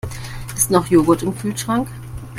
Ist noch Joghurt im Kühlschrank?